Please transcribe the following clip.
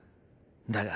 だが。